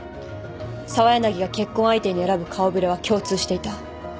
澤柳が結婚相手に選ぶ顔触れは共通していた。